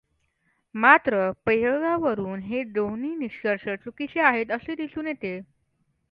मात्र प्रयोगावरून हे दोन्ही निष्कर्ष चुकीचे आहेत असे दिसून येते.